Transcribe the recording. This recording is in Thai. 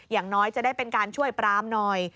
อย่างน้อยจะได้เป็นการช่วยปรามหน่อย